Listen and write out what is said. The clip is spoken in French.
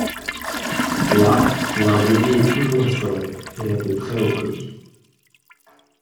Là, leur débit est toujours assuré, et à de très hauts prix.